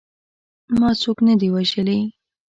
ما څوک نه دي وژلي.